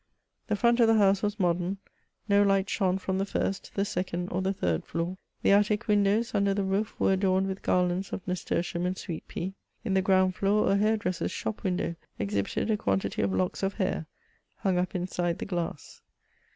The front of th^ house was modem ; no light shone from the first, the second, or the third floor. The attic windows, under the roof, were adomed with garlands of nasturtium and sweet pea ; in the ground floor, a hair dresser's shop window, exhibited a quantity of locks of hair, hung up inside the glass.